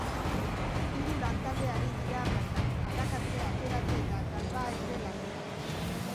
Hiru lantalde ari dira bertan, arakatze, ateratze eta galbahetze lanetan.